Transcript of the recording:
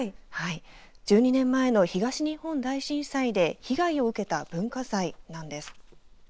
１２年前の東日本大震災で被害を受けた文化財なんです。